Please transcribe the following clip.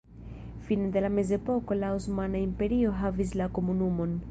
Fine de la mezepoko la Osmana Imperio havis la komunumon.